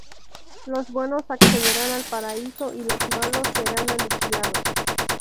Los buenos accederán al Paraíso y los malos serán aniquilados.